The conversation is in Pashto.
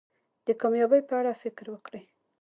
د کامیابی په اړه فکر وکړی.